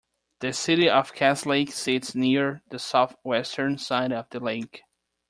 The city of Cass Lake sits near the southwestern side of the lake.